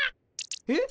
えっ。